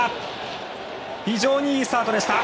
非常にいいスタートでした。